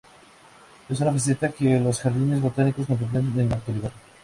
Es una faceta que los jardines botánicos contemplan en la actualidad.